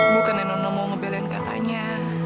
bukannya nona mau ngebelain katanya